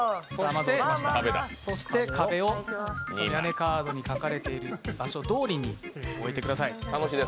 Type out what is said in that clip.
そして、壁を屋根カードに描かれている場所どおりに置いてください。